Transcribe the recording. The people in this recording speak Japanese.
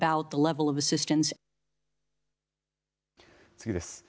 次です。